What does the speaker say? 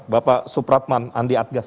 bapak supratman andi atgas